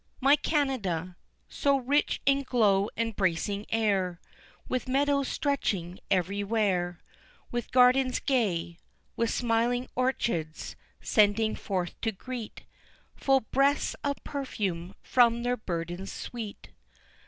My Canada! So rich in glow and bracing air, With meadows stretching everywhere, With gardens gay, With smiling orchards, sending forth to greet Full breaths of perfume from their burdens sweet.